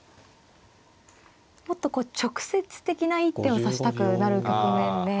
もっとこう直接的な一手を指したくなる局面で。